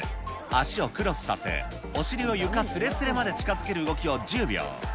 足をクロスさせ、お尻を床すれすれまで近づける動きを１０秒。